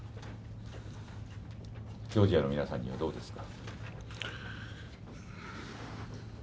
ジョージアの皆さんにはどうですか。